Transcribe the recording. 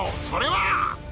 それは。